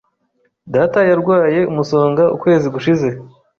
Data yarwaye umusonga ukwezi gushize.